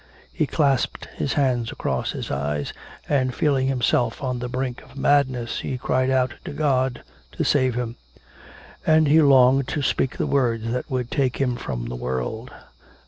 He clasped his hands across his eyes, and feeling himself on the brink of madness, he cried out to God to save him; and he longed to speak the words that would take him from the world.